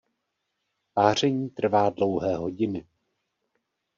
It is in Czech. Páření trvá dlouhé hodiny.